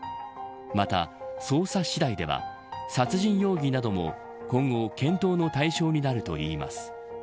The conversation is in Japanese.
また、捜査次第では殺人容疑なども今後、検討の対象になるといいます。